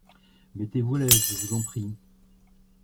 Mettez-vous à l’aise, je vous en prie.